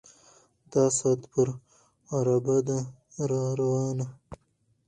د ساعت پر عرابه ده را روانه